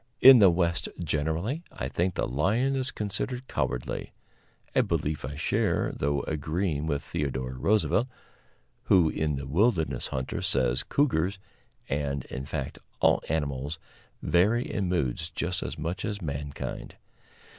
In the West generally, I think, the lion is considered cowardly a belief I share, though agreeing with Theodore Roosevelt, who in "The Wilderness Hunter" says cougars, and, in fact, all animals vary in moods just as much as mankind.